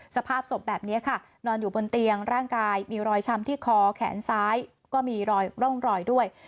สภาพศพแบบนี้ค่ะนอนอยู่บนเตียงร่างกายมีรอยช้ำที่คอแขนซ้ายก็มีรอยร่องรอยด้วย